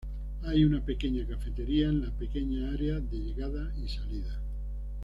Hay una pequeña cafetería en la pequeña área de llegadas y salidas.